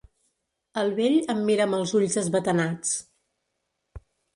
El vell em mira amb els ulls esbatanats.